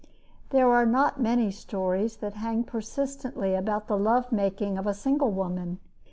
There are not many stories that hang persistently about the love making of a single woman.